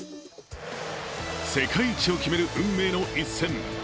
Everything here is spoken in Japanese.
世界一を決める運命の一戦。